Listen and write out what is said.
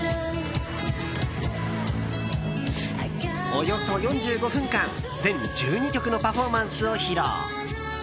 およそ４５分間全１２曲のパフォーマンスを披露。